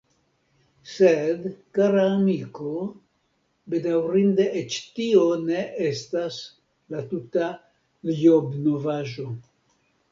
Sed, kara amiko, bedaŭrinde eĉ tio ne estas la tuta Ijobnovaĵo.